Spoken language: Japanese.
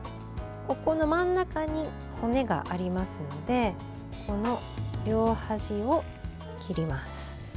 真ん中に骨がありますのでこの両端を切ります。